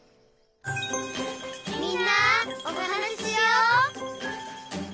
「みんなおはなししよう」